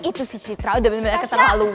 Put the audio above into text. itu si citra udah bener bener ketemu aluan